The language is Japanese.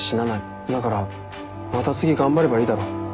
だからまた次頑張ればいいだろ。